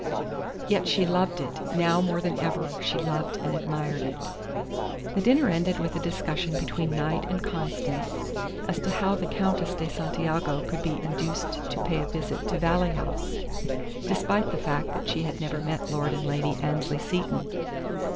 Yet she loved it. Now, more than ever, she loved and admired it! The dinner ended with a discussion between Knight and Constance as to how the Countess de Santiago could be induced to pay a visit to Valley House, despite the fact that she had never met Lord and Lady Annesley Seton.